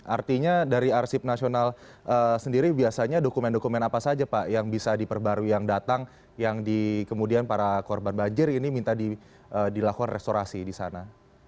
artinya dari arsip nasional sendiri biasanya dokumen dokumen apa saja pak yang bisa diperbarui yang datang yang kemudian para korban banjir ini minta dilakukan restorasi di sana